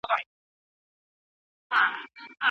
زه به په هغه ورځ دا خپل مات شوی زړه راټول کړم